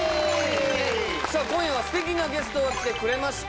さあ今夜は素敵なゲストが来てくれました